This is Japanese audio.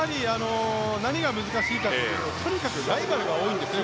何が難しいかというととにかくライバルが多いんですね